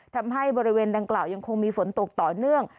ทำให้บริเวณดังกล่าวยังคงมีฝนตกต่อเนื่อง